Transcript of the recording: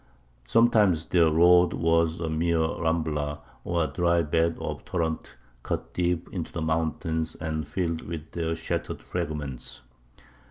Sometimes their road was a mere rambla, or dry bed of a torrent cut deep into the mountains and filled with their shattered fragments.